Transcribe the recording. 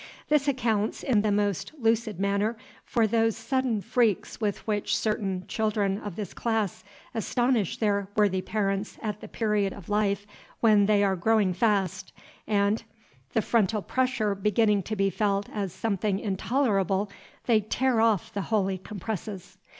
This accounts, in the most lucid manner, for those sudden freaks with which certain children of this class astonish their worthy parents at the period of life when they are growing fast, and, the frontal pressure beginning to be felt as something intolerable, they tear off the holy compresses.